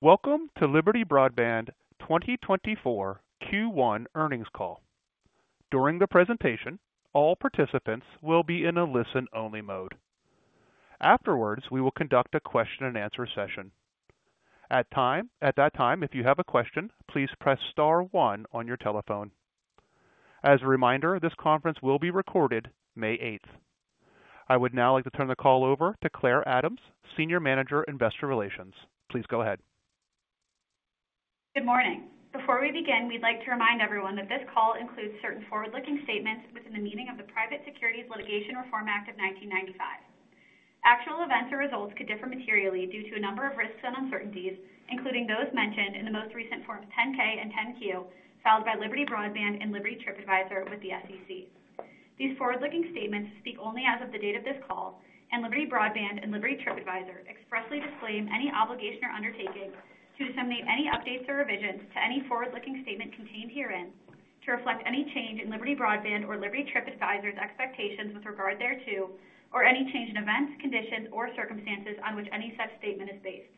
Welcome to Liberty Broadband 2024 Q1 earnings call. During the presentation, all participants will be in a listen-only mode. Afterwards, we will conduct a question-and-answer session. At that time, if you have a question, please press star one on your telephone. As a reminder, this conference will be recorded May 8th. I would now like to turn the call over to Clare Adams, Senior Manager Investor Relations. Please go ahead. Good morning. Before we begin, we'd like to remind everyone that this call includes certain forward-looking statements within the meaning of the Private Securities Litigation Reform Act of 1995. Actual events and results could differ materially due to a number of risks and uncertainties, including those mentioned in the most recent Forms 10-K and 10-Q filed by Liberty Broadband and Liberty TripAdvisor with the SEC. These forward-looking statements speak only as of the date of this call, and Liberty Broadband and Liberty TripAdvisor expressly disclaim any obligation or undertaking to disseminate any updates or revisions to any forward-looking statement contained herein to reflect any change in Liberty Broadband or Liberty TripAdvisor's expectations with regard thereto, or any change in events, conditions, or circumstances on which any such statement is based.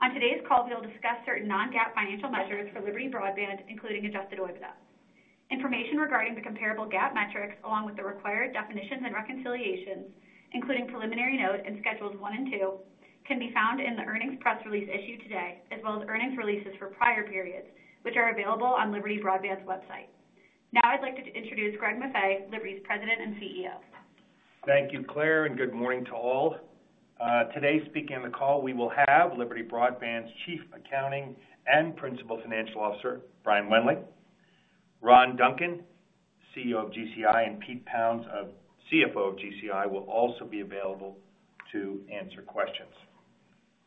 On today's call, we will discuss certain non-GAAP financial measures for Liberty Broadband, including adjusted OIBIDA. Information regarding the comparable GAAP metrics, along with the required definitions and reconciliations, including preliminary note and schedules 1 and 2, can be found in the earnings press release issued today, as well as earnings releases for prior periods, which are available on Liberty Broadband's website. Now I'd like to introduce Greg Maffei, Liberty's President and CEO. Thank you, Clare, and good morning to all. Today, speaking on the call, we will have Liberty Broadband's Chief Accounting and Principal Financial Officer, Brian Wendling. Ron Duncan, CEO of GCI, and Pete Pounds, CFO of GCI, will also be available to answer questions.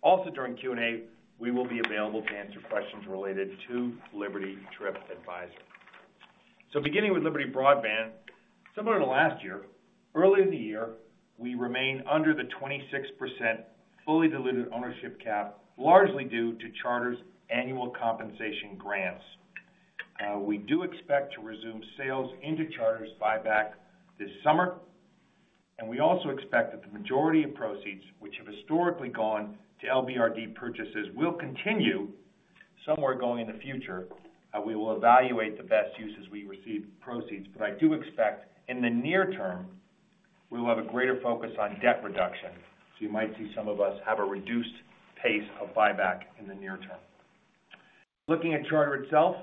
Also, during Q&A, we will be available to answer questions related to Liberty TripAdvisor. So beginning with Liberty Broadband, similar to last year, earlier in the year, we remain under the 26% fully diluted ownership cap, largely due to Charter's annual compensation grants. We do expect to resume sales into Charter's buyback this summer, and we also expect that the majority of proceeds, which have historically gone to LBRD purchases, will continue somewhere going in the future. We will evaluate the best uses we receive proceeds, but I do expect in the near term, we will have a greater focus on debt reduction, so you might see some of us have a reduced pace of buyback in the near term. Looking at Charter itself,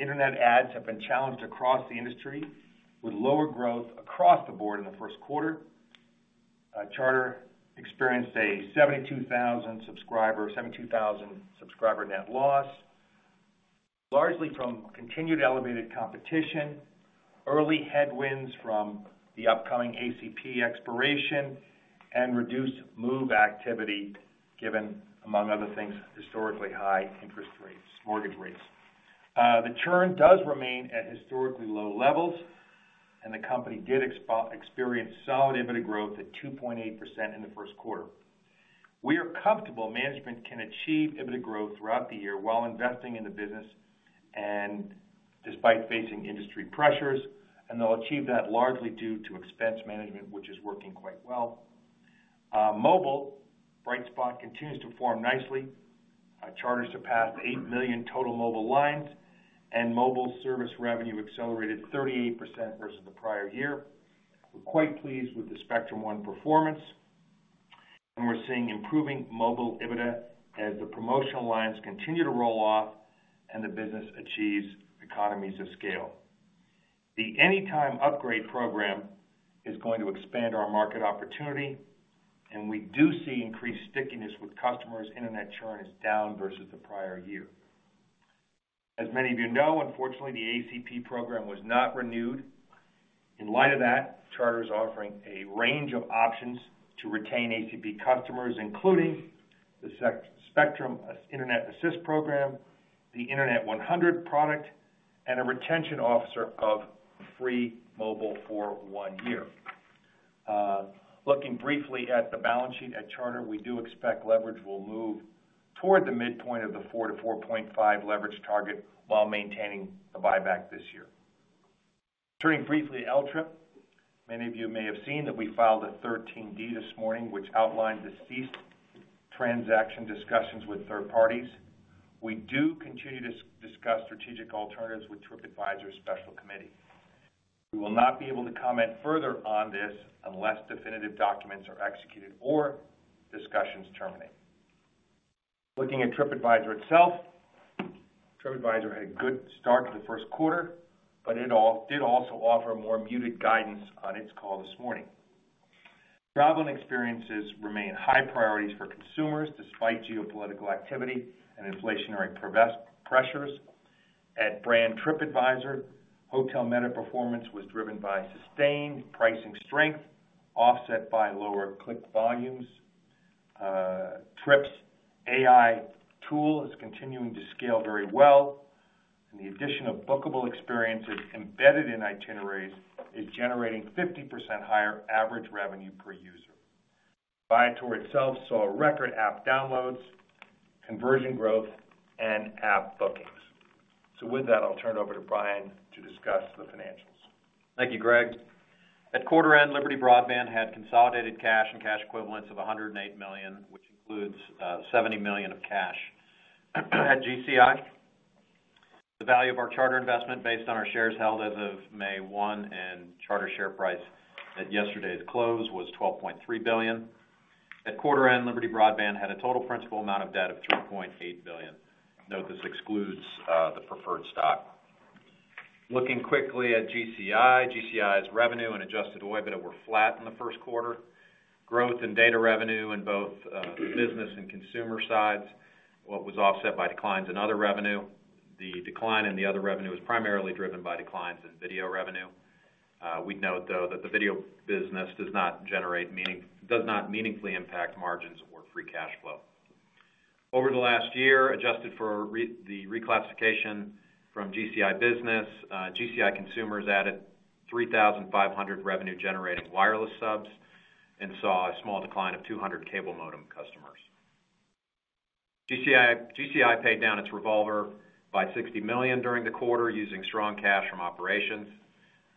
internet adds have been challenged across the industry with lower growth across the board in the first quarter. Charter experienced a 72,000 subscriber net loss, largely from continued elevated competition, early headwinds from the upcoming ACP expiration, and reduced move activity given, among other things, historically high mortgage rates. The churn does remain at historically low levels, and the company did experience solid OIBIDA growth at 2.8% in the first quarter. We are comfortable management can achieve OIBIDA growth throughout the year while investing in the business, despite facing industry pressures, and they'll achieve that largely due to expense management, which is working quite well. The mobile bright spot continues to form nicely. Charter surpassed 8 million total mobile lines, and mobile service revenue accelerated 38% versus the prior year. We're quite pleased with the Spectrum One performance, and we're seeing improving mobile OIBIDA as the promotional lines continue to roll off and the business achieves economies of scale. The Anytime Upgrade program is going to expand our market opportunity, and we do see increased stickiness with customers. Internet churn is down versus the prior year. As many of you know, unfortunately, the ACP program was not renewed. In light of that, Charter is offering a range of options to retain ACP customers, including the Spectrum Internet Assist program, the Internet 100 product, and a retention offer of free mobile for one year. Looking briefly at the balance sheet at Charter, we do expect leverage will move toward the midpoint of the 4-4.5 leverage target while maintaining the buyback this year. Turning briefly to LTRIP, many of you may have seen that we filed a 13D this morning, which outlined disclosed transaction discussions with third parties. We do continue to discuss strategic alternatives with Tripadvisor's special committee. We will not be able to comment further on this unless definitive documents are executed or discussions terminate. Looking at Tripadvisor itself, Tripadvisor had a good start to the first quarter, but it did also offer more muted guidance on its call this morning. Travel and experiences remain high priorities for consumers despite geopolitical activity and inflationary pressures. At brand Tripadvisor, Hotel Meta performance was driven by sustained pricing strength offset by lower click volumes. Trip's AI tool is continuing to scale very well, and the addition of bookable experiences embedded in itineraries is generating 50% higher average revenue per user. Viator itself saw record app downloads, conversion growth, and app bookings. With that, I'll turn it over to Brian to discuss the financials. Thank you, Greg. At quarter-end, Liberty Broadband had consolidated cash and cash equivalents of $108 million, which includes $70 million of cash at GCI. The value of our Charter investment based on our shares held as of May 1 and Charter share price at yesterday's close was $12.3 billion. At quarter-end, Liberty Broadband had a total principal amount of debt of $3.8 billion. Note this excludes the preferred stock. Looking quickly at GCI, GCI's revenue and adjusted OIBIDA were flat in the first quarter. Growth in data revenue in both the business and consumer sides, what was offset by declines in other revenue. The decline in the other revenue was primarily driven by declines in video revenue. We'd note, though, that the video business does not meaningfully impact margins or free cash flow. Over the last year, adjusted for the reclassification from GCI business, GCI consumers added 3,500 revenue-generating wireless subs and saw a small decline of 200 cable modem customers. GCI paid down its revolver by $60 million during the quarter using strong cash from operations.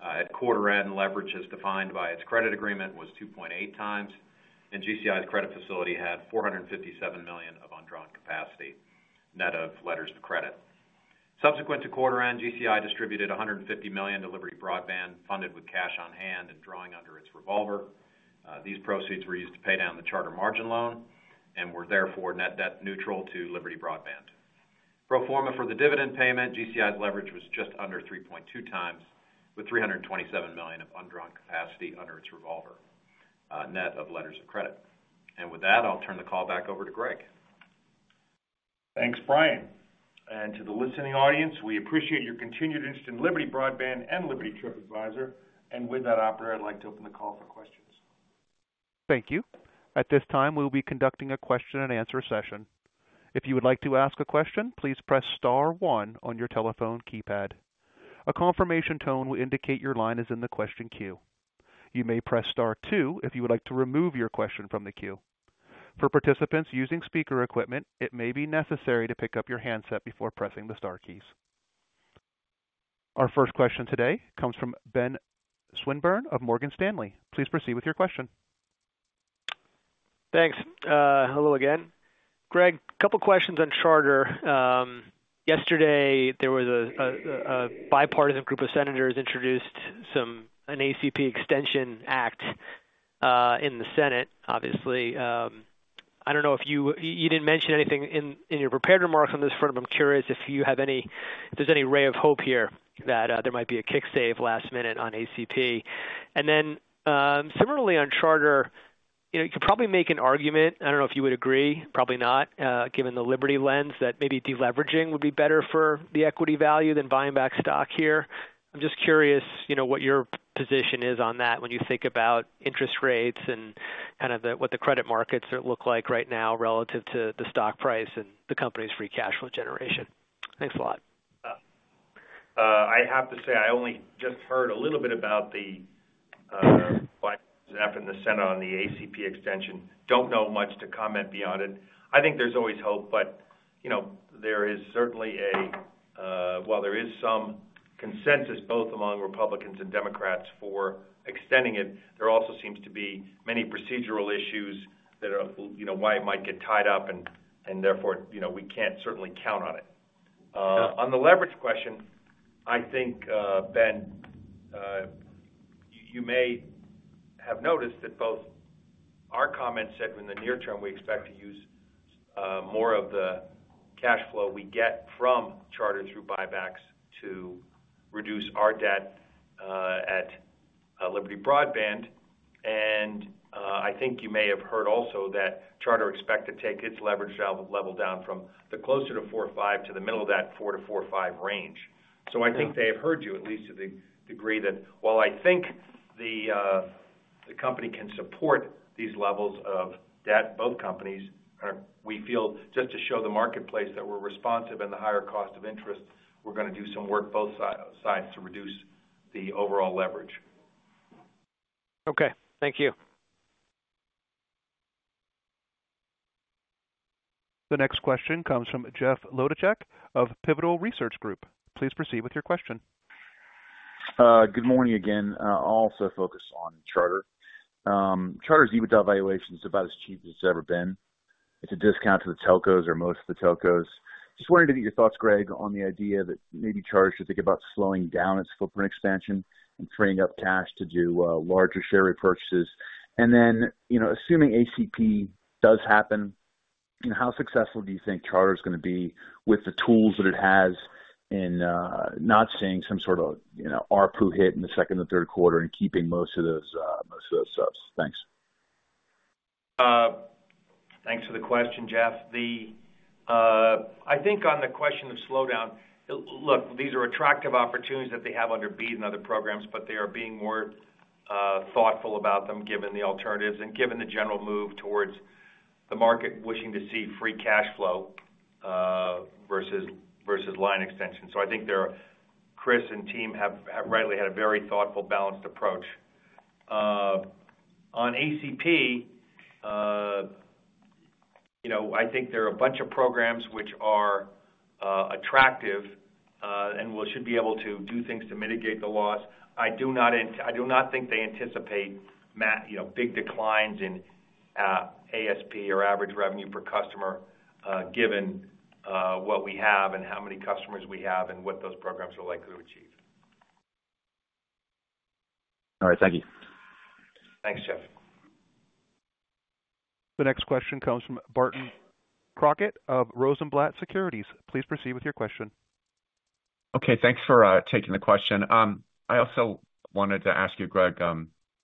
At quarter-end, leverage as defined by its credit agreement was 2.8 times, and GCI's credit facility had $457 million of undrawn capacity, net of letters of credit. Subsequent to quarter-end, GCI distributed $150 million to Liberty Broadband funded with cash on hand and drawing under its revolver. These proceeds were used to pay down the charter margin loan and were therefore net debt neutral to Liberty Broadband. Pro forma for the dividend payment, GCI's leverage was just under 3.2 times with $327 million of undrawn capacity under its revolver, net of letters of credit. With that, I'll turn the call back over to Greg. Thanks, Brian. To the listening audience, we appreciate your continued interest in Liberty Broadband and Liberty TripAdvisor. With that, operator, I'd like to open the call for questions. Thank you. At this time, we will be conducting a question-and-answer session. If you would like to ask a question, please press star one on your telephone keypad. A confirmation tone will indicate your line is in the question queue. You may press star two if you would like to remove your question from the queue. For participants using speaker equipment, it may be necessary to pick up your handset before pressing the star keys. Our first question today comes from Ben Swinburne of Morgan Stanley. Please proceed with your question. Thanks. Hello again. Greg, a couple of questions on Charter. Yesterday, there was a bipartisan group of senators introduced an ACP Extension Act in the Senate, obviously. I don't know if you didn't mention anything in your prepared remarks on this front, but I'm curious if you have any if there's any ray of hope here that there might be a kick-save last minute on ACP. And then similarly on Charter, you could probably make an argument. I don't know if you would agree, probably not, given the Liberty lens, that maybe deleveraging would be better for the equity value than buying back stock here. I'm just curious what your position is on that when you think about interest rates and kind of what the credit markets look like right now relative to the stock price and the company's free cash flow generation. Thanks a lot. I have to say I only just heard a little bit about the bipartisan effort in the Senate on the ACP Extension. Don't know much to comment beyond it. I think there's always hope, but there is certainly a while there is some consensus both among Republicans and Democrats for extending it, there also seems to be many procedural issues that are why it might get tied up and therefore we can't certainly count on it. On the leverage question, I think, Ben, you may have noticed that both our comments said in the near term we expect to use more of the cash flow we get from Charter through buybacks to reduce our debt at Liberty Broadband. And I think you may have heard also that Charter expects to take its leverage level down from closer to 4.5 to the middle of that 4-4.5 range. So I think they have heard you, at least to the degree that while I think the company can support these levels of debt, both companies, we feel just to show the marketplace that we're responsive and the higher cost of interest, we're going to do some work both sides to reduce the overall leverage. Okay. Thank you. The next question comes from Jeff Wlodarczak of Pivotal Research Group. Please proceed with your question. Good morning again. I'll also focus on Charter. Charter's OIBIDA valuation is about as cheap as it's ever been. It's a discount to the telcos or most of the telcos. Just wanted to get your thoughts, Greg, on the idea that maybe Charter should think about slowing down its footprint expansion and freeing up cash to do larger share repurchases. And then assuming ACP does happen, how successful do you think Charter is going to be with the tools that it has in not seeing some sort of RPU hit in the second and third quarter and keeping most of those subs? Thanks. Thanks for the question, Jeff. I think on the question of slowdown, look, these are attractive opportunities that they have under BEAD and other programs, but they are being more thoughtful about them given the alternatives and given the general move towards the market wishing to see free cash flow versus line extension. So I think Chris and team have rightly had a very thoughtful, balanced approach. On ACP, I think there are a bunch of programs which are attractive and should be able to do things to mitigate the loss. I do not think they anticipate big declines in ARPU or average revenue per customer given what we have and how many customers we have and what those programs are likely to achieve. All right. Thank you. Thanks, Jeff. The next question comes from Barton Crockett of Rosenblatt Securities. Please proceed with your question. Okay. Thanks for taking the question. I also wanted to ask you, Greg,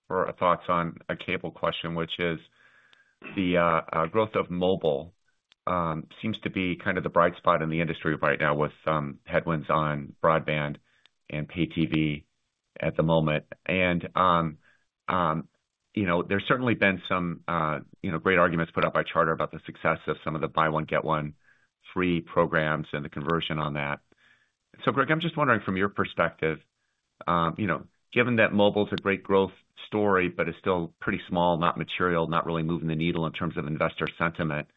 for thoughts on a cable question, which is the growth of mobile seems to be kind of the bright spot in the industry right now with headwinds on broadband and pay TV at the moment. There's certainly been some great arguments put up by Charter about the success of some of the buy-one, get-one free programs and the conversion on that. So, Greg, I'm just wondering from your perspective, given that mobile is a great growth story but is still pretty small, not material, not really moving the needle in terms of investor sentiment,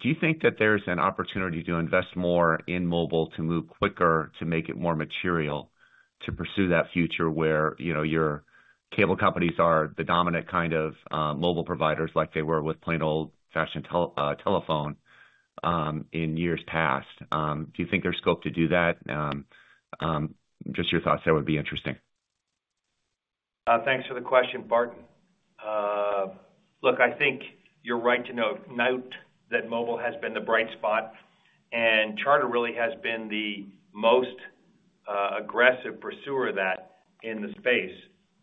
do you think that there's an opportunity to invest more in mobile to move quicker, to make it more material to pursue that future where your cable companies are the dominant kind of mobile providers like they were with plain old-fashioned telephone in years past? Do you think there's scope to do that? Just your thoughts there would be interesting. Thanks for the question, Barton. Look, I think you're right to note that mobile has been the bright spot, and Charter really has been the most aggressive pursuer of that in the space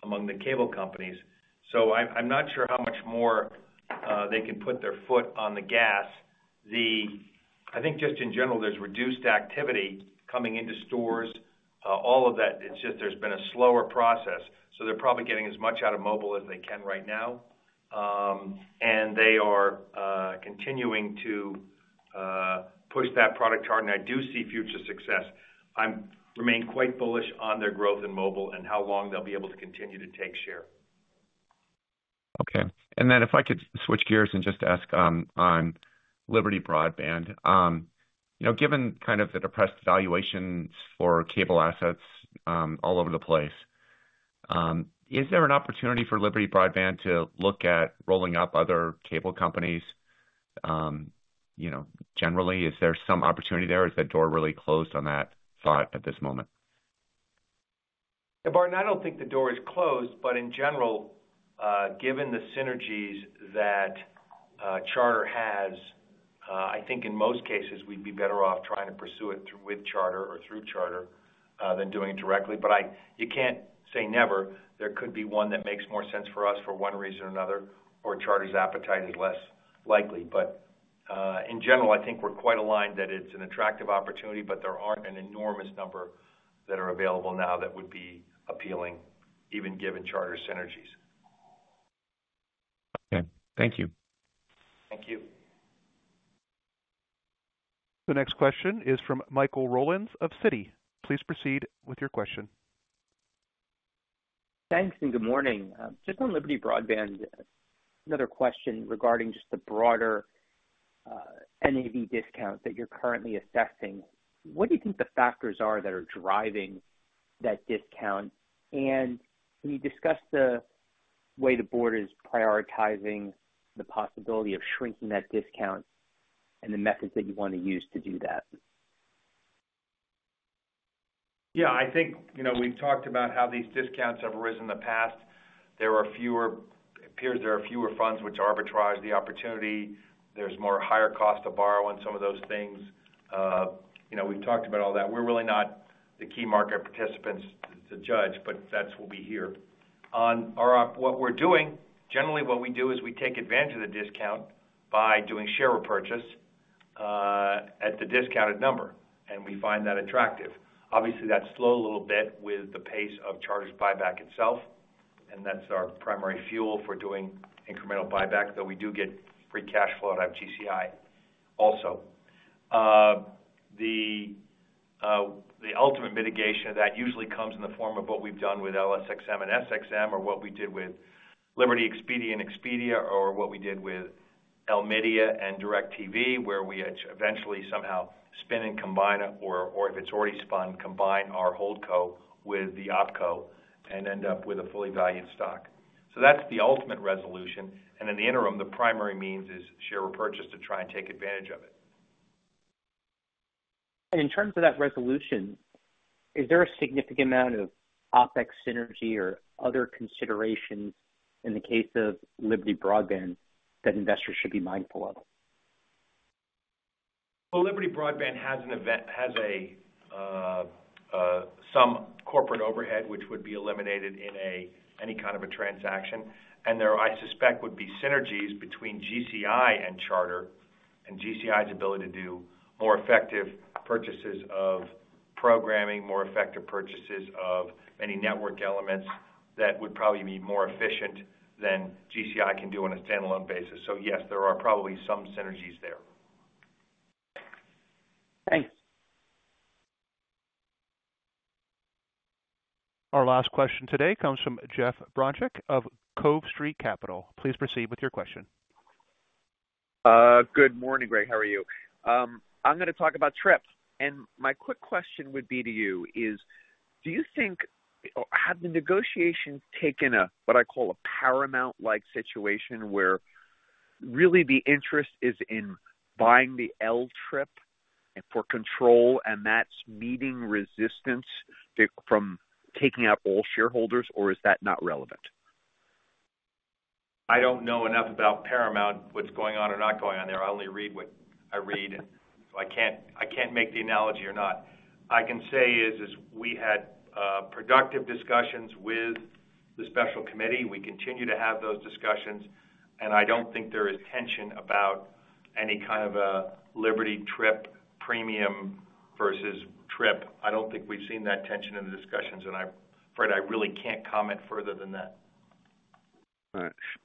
among the cable companies. So I'm not sure how much more they can put their foot on the gas. I think just in general, there's reduced activity coming into stores. All of that, it's just there's been a slower process. So they're probably getting as much out of mobile as they can right now, and they are continuing to push that product, Charter. And I do see future success. I remain quite bullish on their growth in mobile and how long they'll be able to continue to take share. Okay. And then if I could switch gears and just ask on Liberty Broadband, given kind of the depressed valuations for cable assets all over the place, is there an opportunity for Liberty Broadband to look at rolling up other cable companies generally? Is there some opportunity there? Is the door really closed on that thought at this moment? Yeah, Barton, I don't think the door is closed. But in general, given the synergies that Charter has, I think in most cases, we'd be better off trying to pursue it with Charter or through Charter than doing it directly. But you can't say never. There could be one that makes more sense for us for one reason or another, or Charter's appetite is less likely. But in general, I think we're quite aligned that it's an attractive opportunity, but there aren't an enormous number that are available now that would be appealing, even given Charter synergies. Okay. Thank you. Thank you. The next question is from Michael Rollins of Citi. Please proceed with your question. Thanks and good morning. Just on Liberty Broadband, another question regarding just the broader NAV discount that you're currently assessing. What do you think the factors are that are driving that discount? And can you discuss the way the board is prioritizing the possibility of shrinking that discount and the methods that you want to use to do that? Yeah. I think we've talked about how these discounts have risen in the past. It appears there are fewer funds which arbitrage the opportunity. There's a higher cost to borrow on some of those things. We've talked about all that. We're really not the key market participants to judge, but that's what we hear. On what we're doing, generally, what we do is we take advantage of the discount by doing share repurchase at the discounted number, and we find that attractive. Obviously, that's slowed a little bit with the pace of Charter's buyback itself, and that's our primary fuel for doing incremental buyback, though we do get free cash flow out of GCI also. The ultimate mitigation of that usually comes in the form of what we've done with LSXM and SXM or what we did with Liberty Expedia and Expedia or what we did with LMedia and DirecTV, where we eventually somehow spin and combine or if it's already spun, combine our holdco with the opco and end up with a fully valued stock. So that's the ultimate resolution. And in the interim, the primary means is share repurchase to try and take advantage of it. In terms of that resolution, is there a significant amount of OpEx synergy or other considerations in the case of Liberty Broadband that investors should be mindful of? Well, Liberty Broadband has some corporate overhead, which would be eliminated in any kind of a transaction. And there, I suspect, would be synergies between GCI and Charter and GCI's ability to do more effective purchases of programming, more effective purchases of many network elements that would probably be more efficient than GCI can do on a standalone basis. So yes, there are probably some synergies there. Thanks. Our last question today comes from Jeff Bronchick of Cove Street Capital. Please proceed with your question. Good morning, Greg. How are you? I'm going to talk about Trip. My quick question would be to you is, do you think have the negotiations taken a what I call a Paramount-like situation where really the interest is in buying the LTRIP for control and that's meeting resistance from taking out all shareholders, or is that not relevant? I don't know enough about Paramount, what's going on or not going on there. I only read what I read, so I can't make the analogy or not. I can say is we had productive discussions with the special committee. We continue to have those discussions. And I don't think there is tension about any kind of a Liberty Trip premium versus Trip. I don't think we've seen that tension in the discussions. I'm afraid, I really can't comment further than that.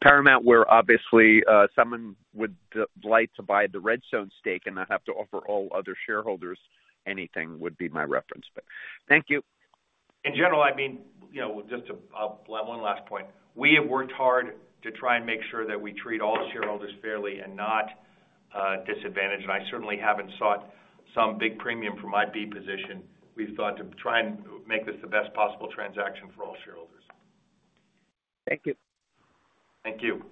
Paramount, where obviously someone would like to buy the Redstone stake and not have to offer all other shareholders anything, would be my reference. But thank you. In general, I mean, just one last point, we have worked hard to try and make sure that we treat all shareholders fairly and not disadvantaged. I certainly haven't sought some big premium from my B position. We've thought to try and make this the best possible transaction for all shareholders. Thank you. Thank you.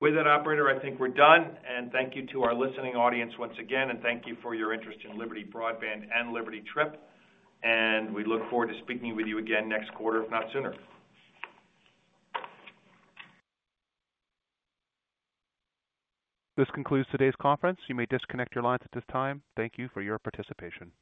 With that, operator, I think we're done. Thank you to our listening audience once again. Thank you for your interest in Liberty Broadband and Liberty TripAdvisor. We look forward to speaking with you again next quarter, if not sooner. This concludes today's conference. You may disconnect your lines at this time. Thank you for your participation.